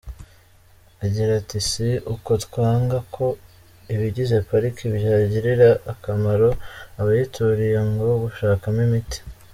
Agira ati “Si uko twanga ko ibigize pariki byagirira akamaro abayituriye nko gushakamo imiti.